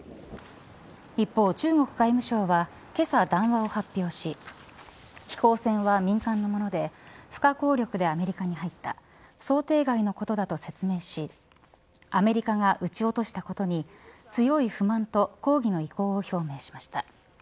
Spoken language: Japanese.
一方、中国外務省はけさ談話を発表し飛行船は民間の物で不可抗力でアメリカに入った想定外のことだと説明しアメリカが撃ち落としたことに強い不満と抗議の意向を表明しました。